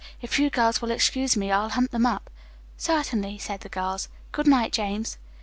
If you girls will excuse me, I'll hunt them up." "Certainly," said the girls. "Good night, James."